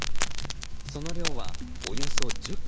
その量は、およそ１０ｋｇ。